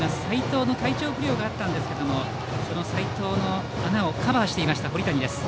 齊藤の体調不良があったんですがその齊藤の穴をカバーしていました、堀谷です。